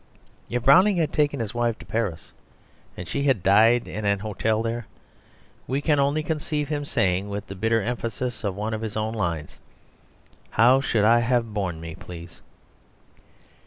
If Browning had taken his wife to Paris, and she had died in an hotel there, we can only conceive him saying, with the bitter emphasis of one of his own lines, "How should I have borne me, please?"